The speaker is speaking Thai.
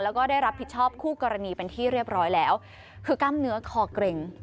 แล้วก็ได้รับผิดชอบคู่กรณีเป็นที่เรียบร้อยแล้วคือกล้ามเนื้อคอเกร็ง